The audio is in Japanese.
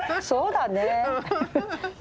そうだねえ。